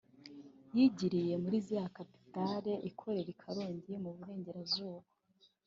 yigiriye mu z’iya Capital ikorera i Karongi mu Burengerazuba